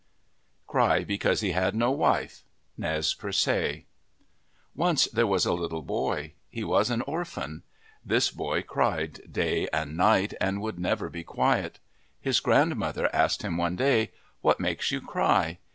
80 OF THE PACIFIC NORTHWEST CRY BECAUSE HE HAD NO WIFE Nez Perce ONCE there was a little boy. He was an orphan. This boy cried day and night and would never be quiet. His grandmother asked him one day, "What makes you cry?'